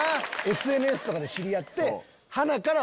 ＳＮＳとかで知り合ってはなから